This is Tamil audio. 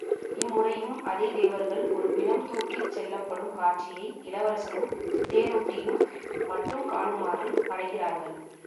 இம்முறையும் அதே தேவர்கள் ஒரு பிணம் தூக்கிச் செல்லப்படும் காட்சியை இளவரசனும் தேரோட்டியும் மட்டும் காணுமாறு படைக்கிறார்கள்.